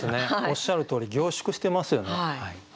おっしゃるとおり凝縮してますよね。